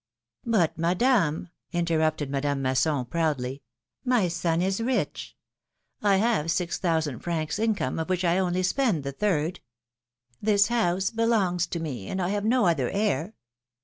^^But, Madame! " interrupted Madame Masson, proudly, my son is rich ! I have six thousand francs income, of which I only spend the third ; this house belongs to me, and I have no other heir